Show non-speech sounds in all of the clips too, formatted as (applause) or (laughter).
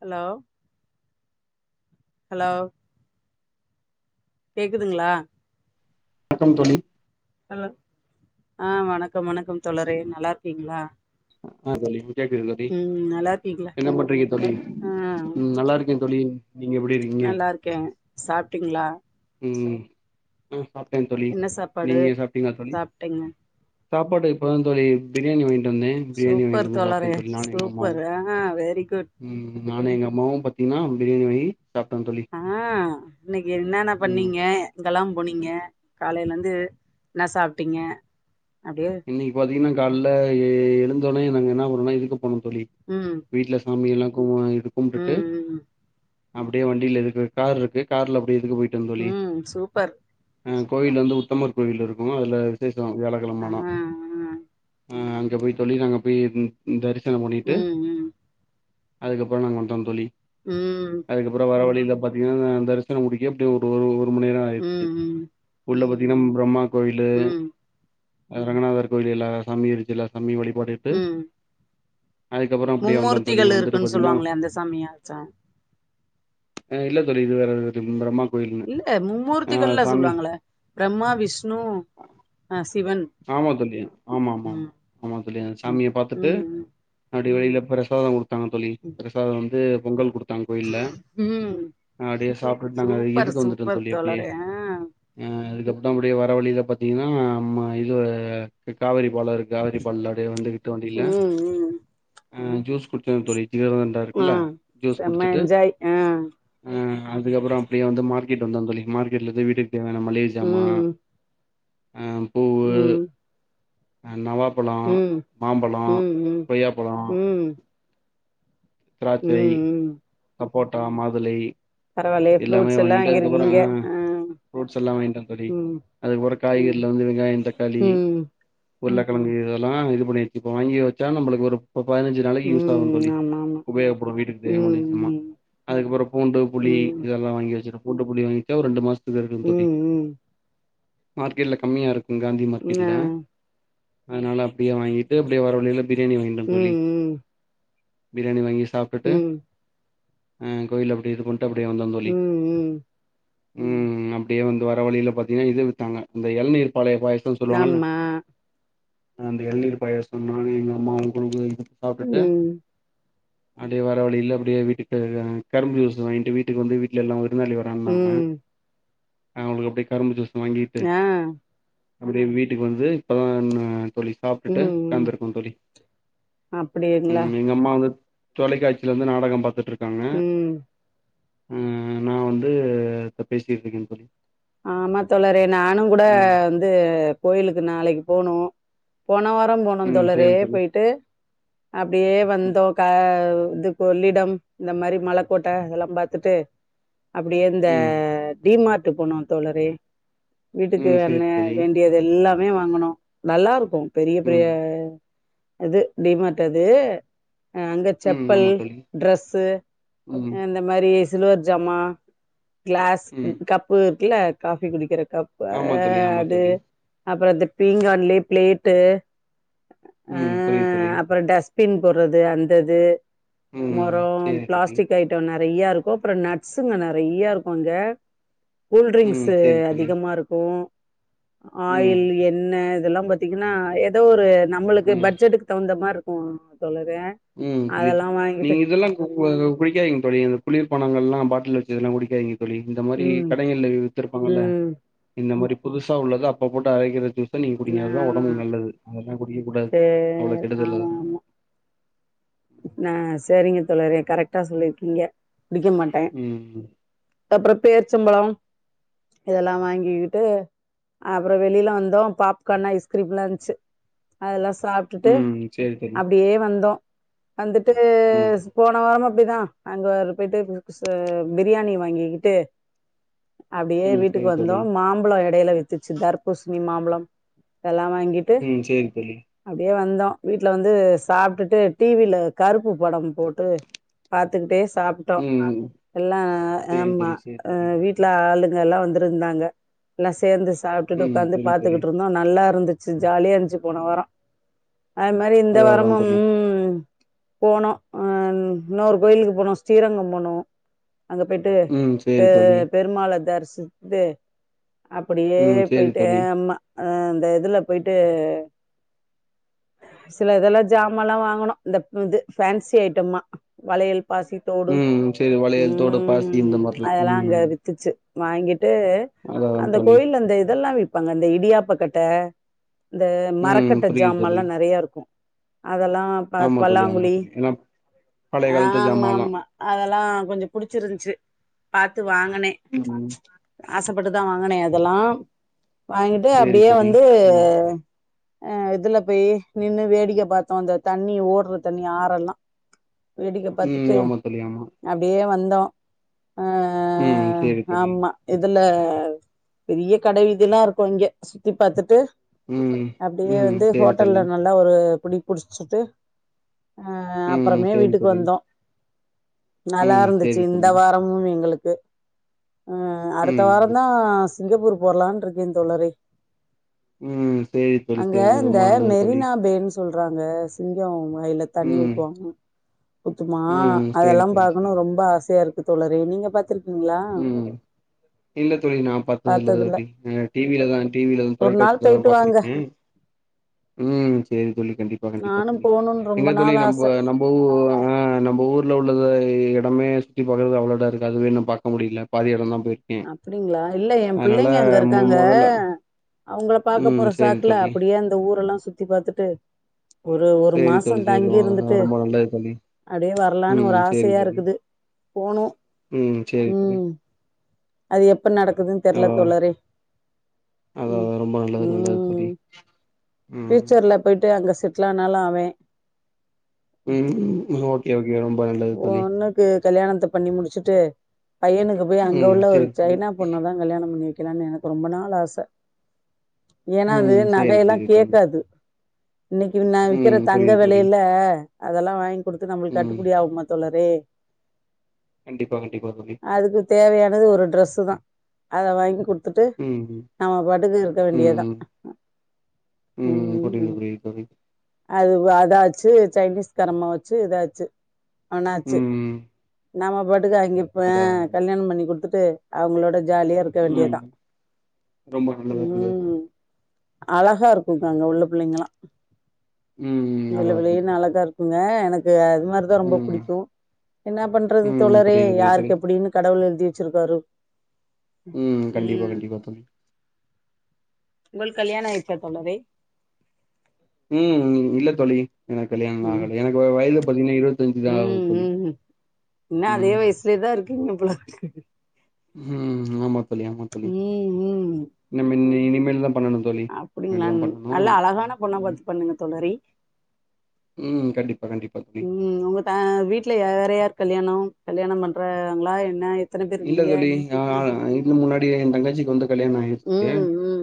Hello hello கேக்குதுங்களா வணக்கம் தோழி ஹலோ ஆ வணக்கம் வணக்கம் தோழரே நல்லா இருக்கீங்களா ஆ தோழி கேக்குது தோழி ம் நல்லா இருக்கீங்களா என்ன பண்றீங்க தோழி ஆ ம் நல்லா இருக்கே தோழி நீங்க எப்படி இருக்கீங்க நல்லா இருக்கே சாப்ட்டீங்களா ம் ஆ சாப்ட்டேன் தோழி என்ன சாப்பாடு நீங்க ஏ சாப்ட்டீங்கலா தோழி சாப்ட்டேங்க சாப்பாட்டுக்கு இப்பத தோழி பிரியாணி வாங்கிட்டு வந்த பிரியாணி வாங்கிட்டு சூப்பர் வந்து சாப்டேன் தோழரே தோழி நானும் எங்க அம்மாவு சூப்பர் ஆ வெரி குட் ம் நானு எங்க அம்மாவும் பாத்தீங்கன்னா பிரியாணி வகி ஆ இன்னைக்கு என்னன்ன ம் பண்ணீங்க ங்கெல்லா பொனிங்க காலையில இருந்து என்ன சாப்ட்டீங்க அப்டியே இன்னைக்கு பாத்தீங்கன்னா கால எழுந்தோடனே நாங்க என்ன பண்ணோனா இதுக்கு போனம் தோழி ம் வீட்ல சாமி எல்லாம் (unintelligible) ம் ம் அப்படியே வண்டியில எதுக்கு கார் இருக்கு கார்ல அப்படியே இதுக்கு போயிட்டேந்தோழி ம் சூப்பர் கோவில் வந்து உத்தமர் கோவில்ல இருக்கும் அதில் விசேஷம் வியாழக்கிழம ஆ ஆனா ஆ அங்க போய் தொழில் அங்க போய் தரிசன் உம் உம் அதுக்கப்புறம் நாங்க வந்டோம் தோழி ம் அதுக்கப்புறம் வர வழிய தான் பாத்தீங்கன்னா தரிசனம் முடிக்கப்படி ஒரு மணி நேரம் ஆயிடுச்சு ம் ம் உள்ள பாத்தீங்கன்னா பிரம்மா கோயிலு ம் ரங்கநாதர் கோயிலு எல்ல சாமி இருஞ்சி சாமியு வழிப் பட்டுட்டு ம் அதுக்கப்புறம் அப்படியா வந்தோன் தோழி மும்மூர்த்திகள் வந்துட்டு இருக்குன்னு பாத்தீங்கன்னா சொல்லுவாங்களே அந்த சாமியாச்சா ஆஹ் இல்ல தோழி இது வேற து ஃப்ரம்மா இல்ல மும்மூர்த்திகள்லா சொல்லுவாங்களே பிரம்மா விஷ்ணு அஹ் சிவன் ஆமா தோழி ஆமா ஆமா ஆமா ம் ஆமா தோழிய சாமியை பாத்துட்டு ம் அத் டியே வெளில பிரசாதம் கொடுத்தாங்க தோழி ம் பிரசாதம் வந்து பொங்கல் கொடுத்தாங் க கோயில்ல ம் அப்டியே சாப்பிட்டுட்டு நாங்க சூப்பர் இதுக்கு வந்துட்டோன்னு சூப்பர் தோழி அப்டியே தோழரே ஆ அஹ் அதுக்கப்புற தான் அப்படியே வர வழியில பாத்தீங்கன்னா மா இதே காவேரி பாலோ இருக்கு காவிரி பால்ல வந்துகட்டு வேண்டியல ம் ம் ஜூஸ் குடுச்சோ தொழி ஹீரோவோண்டா ஆ இருக்குல்ல ஜூஸ் செம்ம குடிச்சட்டு என்ஜாய் ஆ அஹ் அதுக்கப்புறோ அப்டியே வந்து மார்க் கெட் வந்தோ தோழி மார்க்கெட்லந்து வீட்டுக்கு தேவையான மளிகஜாம அஹ் உம் ஹ் நவாப்பழோ மாம்பழோ ம் ம் கொய்யாப்பழோ உம் உம் போட்டா மாதுளை எல்லாமே ஃப்ரூட்ஸ் எல்லா வாங்கிட்டு அதுக்கப்புறம் வாங்கிருக்கீங்க ஹ் ஆ ஃப்ரூட்ஸ் எல்லாம் வாங்கிட்டோ தோழி ம் அதுக்பெறக் காய்கறில வந்து வெங்காயம் தக்காளி ம் உருளைக்கிழு இதெல்லாம் இது பண்ணிருச்சு இப்போ வாங்கி வச்சா நம்மளுக்கு ஒரு பதினஞ்சு நாளைக்கு யூஸ் ஆகும் ம் தோழி ஆமா ஆமா உபயோகப்படும் வீட்டுக்கு தேவயான மளிகஜாமா ம் அதுக்கப்புறம் பூண்டு புளி ம் ம் இதெல்லாம் வாங்கி வச்சிருப் ஓட்டு புளி வாங்கேவொரு ரெண்டு மாஸ் உம் உம் மார்க்கெட்ல கம்மியா இருக்கும் காந்தி ம் மார்க்கெட்ல ஆ அதனால அப்படியே வாங்கிட்டு அப்படியே வர வழியில பிரியாணி வாங்கிடோ ம் தோழி பிரியாணி வாங்கி ம் சாப்பிட்டுட்டு ம் அஹ் கோயில் அப்டியே இது பண்டு அப்டியே வந்தோம் தோழி ம் ம் உஹம் அப்டியே வந்து வர வழியில பாத்தீங்கன்னா இது வித்தாங்க இந்த இளநீர்பாளையம் பயாச சொல்லுவாங்கல்ல ஆமா அந்த இளநீர் பயாச நானு எங்க அம்மாவு கொண்டு வந்து உம் அப்டியே வர வழியில அப்டியே வீட்டுக்கு தேவையான‌ கரும்பு ஜூஸ் வாங்கிட்டு வீட்டுக்கு வந்து வீட்டுல எல்லா விருந்தாளி வரேன்னாங்க ம் அவங்களுக் அப்டியே கரும்பு ஜுஸ் ஆஹ் அப்டி வீட்டுக்கு வந்துட்டோன்னு தோழி ம் சாப்டுட்டு ம் உக்காந்திருக்கோ தோழி அப்டிங்களா உம் எங்க அம்மா வந்து தொலைக்காட்சிலிருந்து நாடகம் பாத்துட்டு இருக் உம் உம் நா வந்து இப்ப பேசிட்டிருக்கேன் தோழி ஆமா தோழறே நானுங் கூட ம் வந்து கோயிலுக்கு நாளைக்கு போனு போன வாரம் போனோம் ம் தோழரே சேரி தோழி போயிட்டு அப்டியே ம் வந்தோ காவு இது கொள்ளிடம் இந்த மாரி மலைக்கோட்டை அதெல்லாம் பாத்துட்டு அப்படியே இந்த ம் டிமார்ட்டு போனோம் தோழரே வீட்டுக்கு ம் என்ன சேரி தோழி வேண்டியது எல்லாமே வாங்கனோ நல்லா இருக்கோ பெரிய பெரிய ம் அது டிமார்ட் அது அங்க ம் செப்பல் ஆமா தோழி டிரெஸ்ஸு ம் அ இந்த மாரி சில்வர் ஜாமா கிளாஸ் ம் கப்பு இருக்குல்ல காஃபி குடிக்கிறக்கு கப் ஆ ஆமா தோழி ஆமா அது தோழி அப்பற அந்த பீங்காண்லேயே பிளேட்டு ஆ ம் புரியுது தோழி அப்பற டஸ்ட்பின் போடுறது அந்தது ம் மொரோ சேரி தோழி ப்ளாஸ்டி ஐட்ட நெ றைய இருக்கு அப்புற நட்ஸ்ஸுங்க நெறைய இருக்கு அங்க கூல் ம் டிரிங்க்ஸ்ஸு சேரி தோழி அதிகமா இருக்கு ம் ஆயில் எண்ணெ இதெல்லா பாத்தீங்கன்னா ஏதோ ஒரு நம்மளுக்கு ம் பட்ஜெட்டுக்கு தகுந்த மாரி மா தோழ உம் புரியுது நீங்க இதெல்லா குக்க கூ குடிக்காதீங்க தோழி அந்த குளிர் பானங்கல்லா பாட்டில்ல வச்சதெல்லா குடிக்காதீங்க தோழி இந்த மாரி ம் கடைங்கள்ல வித்திருப்பாங்கல்ல ம் இந்த மாரி புதுசா உள்ளது அப்ப போட்டு அரைக்கிற ஜூஸ்ஸ நீங்க குடிங்க ஆ அதுதா ஒடம்புக்கு நல்லது அது எல்லா போட்டு குடிக்க கூடாது அவ்ளோ சேரி கெடுதல் ஆமா அதெல்லா ஆமா நா சரிங்க தோழரே கரெக்டா சொல்லியிருக்கீங்க குடிக்க மாட்ட ம். அப்புற பேரிச்சம்பழம் இதெல்லா வாங்கிகிட்டு அப்பற வெளியில வந்தோ பாப்கார்ன் ஐஸ்கிரீம்லா இருன்ச்சி அதெல்லா சாப்ட்டுட்டு ம். சரி தோழி. அப்டியே வந்தோ வந்துட்டு ம். போன வார மா அப்டிதா அங்க வர போய்ட்டு பிரியாணி வாங்கிகிட்டு அப்டியே ம். வீட்டுக்கு சரி வந்தோ தோழி. மாம்பழம் இடையில வித்துச்சு தர்பூசணி மாம்பழம் இதெல்லா வாங்கிட்டு ம். சரி தோழி. அப்டியே வந்தோ வீட்ல வந்து சாப்ட்டுட்டு டி வில கருப்பு படம் போட்டு பாத்துகிட்டே சாப்ட்டோ ம். எல்லா சரி ஆமா தோழி, சரி தோழி. வீட்ல ஆளு கெல்லா வந்திருந்தாங்க எல்லா சேந்து சாப்ட்டுட்டு ம். உக்காந்து சரி தோழி. பாத்துக்கிட்டு இருந்தோ நல்லா இருந்து ச்சு ஜாலியா இருந்துச்சு போன வார அது மாரி இந்த அதான் அதான் வாரமும் தோழி. ம் போனோ அ இன்னொரு கோயிலுக்கு போனோ ஸ்ரீரங்கம் போனோ அங்க போயிட்டு ம். பெ சரி தோழி. பெருமாளா தரிசித்து அப்படியே ம். சரி போயிட்டு தோழி. அ மா அ இந்த இதுல போயிட்டு சில இதெல்லா ஜாமான்ல்லா வாங்குனோ இந்த இது ஃபேன்சி ஐட்டம்மா வளையல் பாசி தோடு ம். சரி வளையல், தோடு, பாசி இந்த உம் மாரிலாம். அதெல்லா அங்க ம். வித்துச்சு வாங்கிட்டு அதான் அதான் அந்த தோழி. கோயில்ல அந்த இதெல்லா விப் பாங்க அந்த இடியாப்பக்கட்ட இந்த ம் மரக்கட்ட புரியுது தோழி ஜாமான்லா நெறைய இருக்கு அதெல்லா பாத் ஆமா தோழி ஆமா பல்லாங்குழி தோழி ஏன்னா பழைய காலத்து ஜாமான்லா ஆம்மாமா அதெல்லா கொஞ்ச புடிச்சிரு ச்சு பாத்து வாங்கனே ம் ஆசப்பட்டுதா வாங்கினே அதெல்லா வாங்கிட்டு சேரி அப்படியே தோழி வந்து ம் அ இதுல போய் நின்னு வேடிக்க பார்த்தோ அந்த தண்ணி ஓட் டோ தண்ணி ஆறேலா வேடிக்க ம் பார்த்துட்டு ஆமா தோழி ஆமா அப்படியே வந்தோ ஆ ம் சேரி தோழி ஆமா இதுல பெரிய கடைவிதி எல்லா இருக்கு இங்க சுத்தி பார்த்துட்டு ம் அப்படியே ம் வந்து சேரி தோழி ஹோட்டல்ல நல்லா ஒரு புடி புடிச்சுட்டு அ ம் அப்புறமே சேரி வீட்டுக்கு தோழி வந்தோ நல்லா ம் இருந்துச்சு சேரி இந்த தோழி வாரமு எங்களுக் கு ஆ அடுத்த ம் வாரம் தா சிங்கப்பூர் போர்லான் இருக்கேன் தோழரோ ம் சேரி தோழி அங்க சேரி தோழி இந்த ரொம்ப நல்லது தோழி மெரினா பேன்னு சொல்றாங்க சிங்கம் கைல தண்ணி ம் ஊத்துவாங்க ஊத்துமா ம் சேரி அதெல்லா தோழி சேரி பாக்கணு தோழி ரொம்ப ஆசையா இருக்கு தோழர் ரே நீங்க பாத் கலா ம் இல்ல தோழி நா பாத்தது இல்ல தோழி டி விலதா டி விலதா ஒரு நாள் தொலைக்காட்சியில தா போயிட்டு வாங்க பாத்திருக்கே உம் செரி தோழி கண்டிப் கண்டிப்பா கண்டிப்பா நானும் தோழி போகணும்னு ரொம்ப எங்க தோழி நாள் நம் ஆசை நம்ம ஊ அ நம்ம ஊர்ல உள்ளத இடமே சுத்தி பாக்குறதுக்கு அவ்ளோ இடம் இருக்கு அதுவே இன்னு பார்க்க முடியல பாதி இடம் தா அப்படிங்களா இல்ல எ பிள்ளைங்க அங்க மொ இருக்காங்க மொதல்ல அவங்கள பாக்க ம் போற சேரி சாக்குல தோழி அப்டியே அந்த ஊரெல்லா சுத்தி பாத்துட்டு ஒரு ஒரு சேரி மாசோ தோழி சேரி தங்கியிருந்துட்டு ரொம்ப நல்லது தோழி அப்டியே வரலான்னு ம் ஒரு சேரி ஆசையா தோழி இருக்குது போகணும் ம் செரி தோழி ம் அது எப்ப நடக்குதுன்னு ஆ தெர்லத் தோழரே அதா அதா ரொம்ப நல்லது நல்லது தோழி ம் ம் பியூச்சர்ல போயிட்டு அங்க செட்லானாலு ஆவே ம் ஓகே ஓகே ரொம்ப நல்லது தோழி பொண்ணுக்கு கல்யாணத்த பண்ணி முடிச்சுட்டு பையனுக்கு போய் அங்க ம் உள்ள ஒரு சேரி தோழி சைனா பொண்ணா தா கல்யாணோ பண்ணி வெக்கிலானு எனக்கு ரொம்ப நாள் ஆச ஏனா அது ம் சேரி நகையெல்லா சேரி தோழி கேக்காது இன்னைக்கு ந விக்கிற ம் தங்க புரியுது தோழி விலைல அதெல்லா வாங்கி குடுத்து நம்மளுக்கு ம் கட்டுப்படி ஆகு மா தோழரே கண்டிப்பா கண்டிப்பா தோழி அதுக்கு தேவையானது ஒரு ட்ரெஸ் தா அத வாங்கி குடுத் துட்டு ம் நம்ம பாட்டுக்கு இருக்க ம் வேண்டியதா ம் ம் புரியுது ம் புரியுது தோழி அது அதாச்சு சைனீஸ்காரம்மாவாச்சு இதாச்சு அவனாச்சு ம் ம் நம்ம பாட்டுக்கு அங்கப்போ கல்யாணோ பண்ணி குடுத்துட்டு அவங்களோட ஜாலியா இருக்க ம் வேண்டியதா ரொம்ப நல்லது நல்லது தோழி ம் அழகா இருக்குங்க அங்கவுள்ள புள்ளைங்கல்லா ம் வெள்ள அதா அதா வெள்ளேனு தோழி அழகா இருக்குங் க எனக்கு அது மாதிரிதா ரொம்ப ம் புடிக்கு என்ன பண்றது ம் தோழரே புரியுது புரியுது தோழி யாருக்கு எப்புடினு கடவுள் எழுதி வெச்சிருக்காரோ ம் கண்டிப்பா கண்டிப்பா தோழி உங்கள் கல்யாணோ எப்ப தோழரே ம் இல்ல தோழி எனக்கு கல்யாணோ இன்னு ம் ஆகல எனக்கு வய வயது பதினே இருவத்தஞ்சு தா ஆகுது தோழி இன்னு அதே ம் வயசிலே தா இருக்கீங்க போலருக்கு ம் ஆமா தோழி ஆமா தோழி ம் ம் நம்ப இன்னி இனிமேல் தா பண்ணணு தோழி இனிமேலு அப்படிங்களா தா பண்ணணு நல்லா அழகான பொண்ணா பார்த்து பண்ணுங்க தோழரே ம் கண்டிப்பா கண்டிப்பா தோழி ம் உங்க த வீட்டுல வேற யார் கல்யாணோ கல்யாணம் பண்றாங்களா என்ன எத்தன பேர் இல்ல இருக்கீங்க தோழி ஆ இதுக்கு முன்னாடி எ தங்கச்சிக்கு வந்து கல்யாணோ ஆய்ட்ச்சு உம்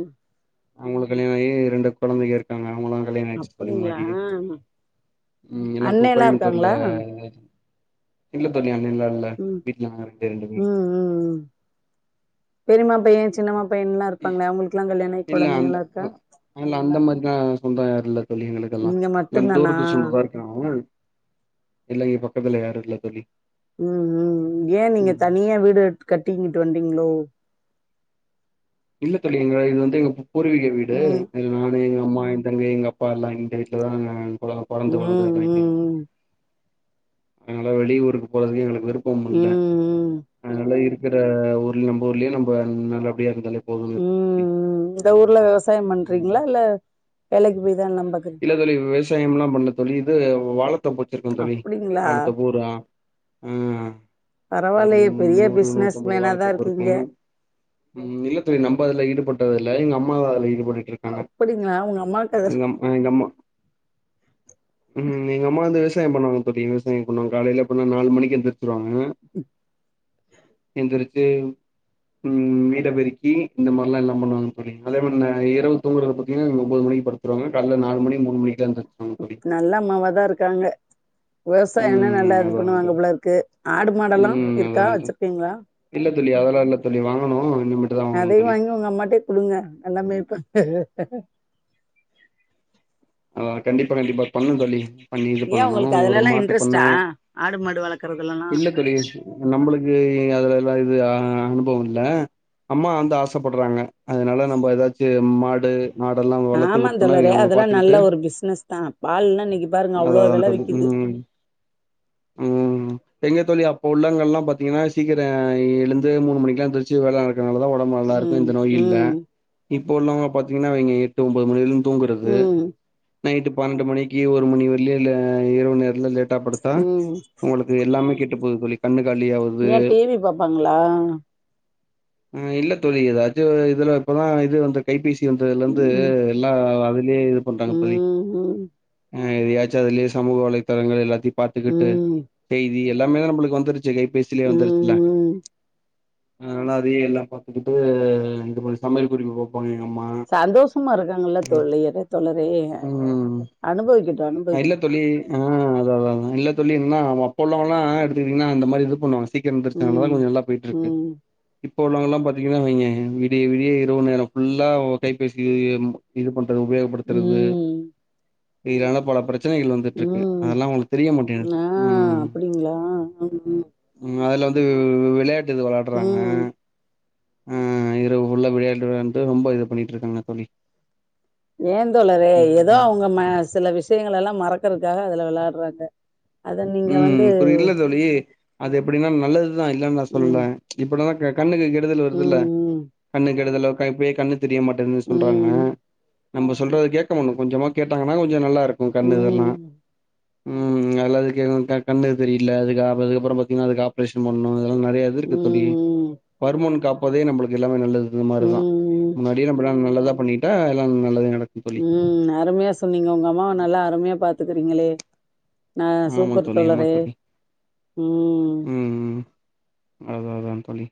அவங்களுக்கு கல்யாணோ ஆகி ரெண்டு கொழந்தைக இருக்காங்க அவங்களு கல்யாணோ ஆய்ட்ச் தோழி அப்டிங்களா முன்னாடியே ம் எனக்கு அண்ணேல்லா கோய்ம்த்தூர்ல இருக்காங்களா இல்ல தோழி அண்ணல்லா இல்ல ம் வீட்டுல நாங்க ரெண்டே ரெண்டு பேரு ம் பெரிமா பையே சின்னமா பையன்ல்லா இருப்பாங்க அவங்களுகெல்லா கல்யாணோ ஆயி இல்ல அந்த கொழந்தைங்கல்லா இருக்கா இல்ல அந்த மாரிலா சொந்தோ யாரு இல்ல தோழி எங்களுக்கெல்லா நீங்க (unintelligible) மட்டுந்தானா தூரத்து சொந்தோதா இருக்காங்க இல்லைங்கப்பா பக்கத்துல யாரு இல்ல தோழி ம் ம் ஏ நீங்க ம் தனியா வீடு எடுத்து கட்டி இங்குட்டு வந்தீங்களோ இல்ல தோழி இங்க இது வந்து எங்க பூ பூர்வீக வீடு ம் இது நானு எங்க அம்மா என் தங்கை எங்கப்பா எல்லா இந்த வீட்டுலதா நா பொ பொறந்து ம் வளந்தது ம் எல்லா இங்க ம் தா அதனால வெளிய ஊருக்கு போறதுக்கு எங்களுக்கு விருப்பம் ம் இல்ல ம் அதனால இருக் குற ஊர்லயே நம்ப ஊர்லயே நம்ப நல்லபடியா இருந்தாலே போதுன்னு இருக்கோ தோழி ம் இந்த ஊர்ல விவசாயோ ம் பண்றீங்களா இல்ல வேலைக்கு போய் தா நம்பகட் விவசாயம்ல்லா பண்ல தோழி இது வாழத் தோப்பு வச்சிருக்கோ தோழி அப்டிங்களா வாழத்தோப்பு ஒரு அ ஆ ஒரு பரவாயில்லயே பெரிய நூறு பிசினஸ் நூத்தம்பது மேனா வாழத் தான் தோப்பு இருக்கு இருக்கீங்க. ம் இல்ல தோழி நம்ப அதுல ஈடுபட்டது இல்ல எங்க அம்மா அதுல ஈடுபட்டுட்டு இருக்காங்க அப்படிங்களா உங்க அம்மா கதை நம் ம் எங்க அம்மா வந்து விவசாயோ பண்ணுவாங்க தோழி விவசாயோ பண்ணுவாங்க காலேல எப்புன்னா நாலு மணிக்கு எந்திரிச்சுருவாங்க. எந்திரிச்சு. உம் வீட்ட பெருக்கி இந்த மார்லா எல்லா பண்ணுவாங்க தோழி அதே மான்ன இரவு தூங்கறது பாத்தீங்கன்னா ஒம்போது மணி. (unintelligible) படுத்துருவாங்க கால்ல நாலு மணி மூணு மணிக்லா எந்திரிச். நல்ல அம்மாவாதா இருக்காங்க விவசாயோ எல்லா ம் நல்லா இது அதான் பண்ணுவாங்க தோழி. போலருக்கு, ஆடு மாடெல்லா ம் இருக்கா? அதான் வச்சுருக்கீங்களா? இல்ல தோழி அதெல்லா இல்ல தோழி வாங்கணு இனிமேட்டு தா வாங்கணு அதையு தோழி வாங்கி உங்க அம்மாட்டயே குடுங்க எல்லாமே இருப்ப ஆ, கண்டிப்பா கண்டிப்பா பண்ணு தோழி பண்ணி இது ஏன் பண்ணணு உங்களுக்கு ஒரு அதுலலாம் மாட்டு பண்ண இன்ட்ரெஸ்டா? ஆடு மாடு வளர்க்குறதுலலாம்? இல்லத் தோழி நம்பளுக்கு. இல் அதுல எல்லா இது அ, அனுபவோ இல்ல. அம்மா வந்து ஆசப்படுறாங்க அதனால நம்ம ஏதாச்சு மாடு மாடெல்லா வளத்தி ஆமா குடுத்தோனா தோழரே அவிங் அவங்க பாத் அதெல்லாம் நல்ல ஒரு பிசினஸ் தா பால்லா இன்னைக்கு பாருங்க அவ்ளோ வெல விக்குது உம் எங்க தோழி அப்ப உள்ளங்கள்லா பாத்தீங்கன்னா சீக்கர எழுந்து மூணு மணிக்குலா ஏந்திரிச்சு வேல நடக் இதனாலதா ஒடம்பு நல்லார்ருக்கு ம். இந்த நோய் இல்ல ம். இப்போ உள்ளவங்க பாத்தீங்கன்னா அவிங்க எட்டு ஒம்போது மணி வர்லியு தூங்குறது ம். நைட்டு பன்னெண்டு மணிக்கு ஒரு மணி வர்லியு இல்ல இரவு நேரத் (unintelligible) ட்டாபடுத்தா ம். உங்களுக்கு எல்லாமே கெட்டு போது தோழி கண்ணுக் ஏ டி வி பாப்பாங்களா ஆ, இல்ல தோழி ஏதாச்சு இதுல இப்பதா இது வந்துருக் கைபேசி (unintelligible) வந்ததுலந்து ம். எல்லா அதுலே ம் ம் அ, எதயாச்சு அதுலயே சமூக வலைதளங்கள் எல்லாத்தையு பாத்துக்கிட்டு ம். ம். செய்தி எல்லாமே நம்பளுக்கு வந்துருச் (unintelligible) கைப்பேசிலேயே வந்துருதில்ல ம். அ நல்லா அதையு எல்லா பாத்துக்கிட்டு இந்த மாரி சமையல் குறிப்பு பாப்போமே சந்தோஷமா இருக்காங்கல்ல தோழிர்ரு. தோழரே அ, ம் அனுபவிக்கட்டு இல்ல அனுபவிக்கட்டு தோழி ஆ, அதா அதாங்க இல்ல தோழி இன்னா அப்போ உள்ளவுங்கயெல்லா எடுத்துக்கிட்டிங்கன்னா அந்த மாரி இது பண்ணுவாங்க ஸ் சீக்கிரோ எந்திரிச்சாங்களா ம் நல்லா போயிட்ருக்கு. ம் இப்போ உள்ளவங்கல்லா பாத்தீங்கன்னா வைங்க விடிய விடியே இரவு நேரோ ஃபுல்லா கைபேசி இது பண்றது உபயேகப்படுத் க்கிறது ம் இதுனால பல பிரச் சனைகள் வந்துட்ருக்கு ம் அதெல்லா உங்களுகு தெரிய மாட்டேன்னுது ஆ ம் அப்படிங்களா ம் ம் அதுல வந்து விளையாட்டு இது வெளாடுறாங்க. ம் ஆ, இரவு ஃபுல்லா விளையாட்டு விளாண்டு ரொம்ப இது பண்ணிட்ருக்காங்க தோழி ஏ தோழரே ஏதோ ம் அவங்க ம சில விஷயங்கள எல்லா மறக்கறதுக்காக அதுல வெளாடுறாங்க ம் குரி இல்ல தோழி அது எப்படின்னா நல்லதுதா இல்லனு நா சொல்ல ம் ம்ச் இப்படினாக கண்ணுக்கு கெடுதல் வருதுல்ல ம் கண்ணுக்கு கெடுதல் (unintelligible) இப்பயே கண்ணு தெரிய மாட்டேன்து சொல்றாங்க. ம் நம்ப சொல்றத கேக்கன்னு கொஞ்சமா கேட்டாங்கன்னா கொஞ்சோ நல்லாருக்கு கண்ணு இதெல்லா ம் ம் அதுல அதுக்கு க, கண்ணு தெரியில்ல அதுக்கு (unintelligible) க்கப்புறோ பாத்தீங்கன்னா அதுக்கு ஆப்ரேஷன் பண்ணு ம் ம் நெறையாதுருக்கு தோழி ம் வருமுன் காப்பதே நம்பளுக்கு எல்லாமே நல்லது இந்த மார்தா ம் முன்னாடியே நம்பலா நல்லதா பண்ணிட்டா எல்லா நல்லதே ந உம் அருமையா சொன்னீங்க உங்க அம்மாவ நல்லா அருமையா பாத்துக்கறீங்களே நா ஆமா சூப்பர் தோழி ஆமா தோழரே தோழி ம் அதுதா அதா தோழி